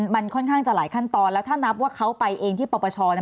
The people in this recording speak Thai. มันค่อนข้างจะหลายขั้นตอนแล้วถ้านับว่าเขาไปเองที่ปปชเนี่ย